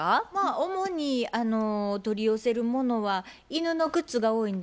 主に取り寄せるものは犬のグッズが多いんです。